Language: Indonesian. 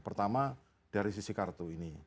pertama dari sisi kartu ini